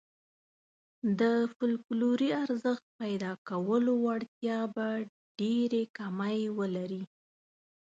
د فوکلوري ارزښت پيدا کولو وړتیا به ډېرې کمې ولري.